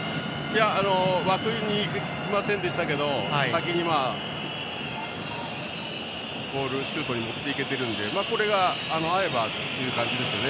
枠にいきませんでしたけど先にシュートに持っていけているのでこれが合えばっていう感じですね。